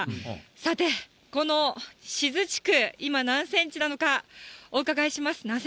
さて、この志津地区、今、何センチなのか、お伺いします。